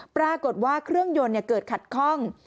ปรากฏว่าเครื่องยนต์เกิดขัดข้อง